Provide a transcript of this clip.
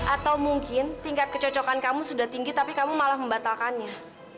atau mungkin tingkat kecocokan kamu sudah tinggi tapi kamu malah membatalkannya